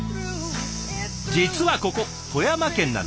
実はここ富山県なんです。